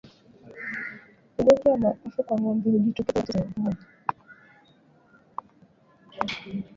Ugonjwa wa mapafu kwa ngombe hujitokeza nyakati za mvua